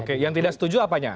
oke yang tidak setuju apanya